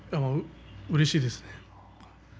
うれしいですね。